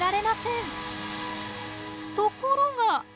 ところが。